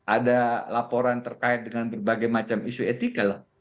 ada laporan terkait dengan berbagai macam isu etikal